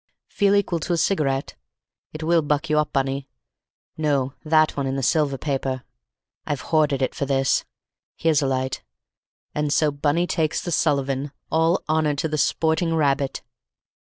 "Feel equal to a cigarette? It will buck you up, Bunny. No, that one in the silver paper, I've hoarded it for this. Here's a light; and so Bunny takes the Sullivan! All honor to the sporting rabbit!"